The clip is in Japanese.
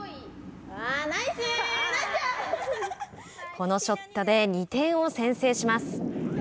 このショットで２点を先制します。